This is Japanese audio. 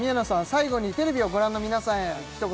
最後にテレビをご覧の皆さんへ一言